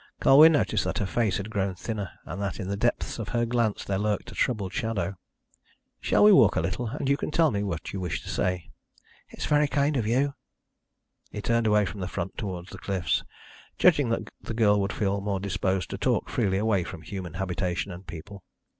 Colwyn noticed that her face had grown thinner, and that in the depths of her glance there lurked a troubled shadow. "Shall we walk a little and you can tell me what you wish to say?" "It is very kind of you." He turned away from the front and towards the cliffs, judging that the girl would feel more disposed to talk freely away from human habitation and people.